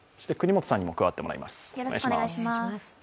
國本さんにも加わってもらいます。